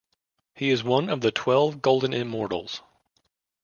He is one of the twelve golden immortals.